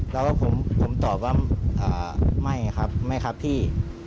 แล้วก็ผมตอบว่าไม่ครับพี่